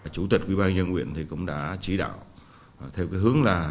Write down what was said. chủ tịch ủy ban nhân huyện cũng đã chỉ đạo theo hướng là